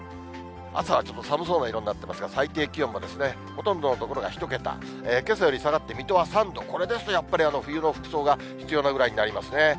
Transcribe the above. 朝はちょっと寒そうな色になってますが、最低気温もほとんどの所が１桁、けさより下がって水戸は３度、これですとやっぱり冬の服装が必要なぐらいになりますね。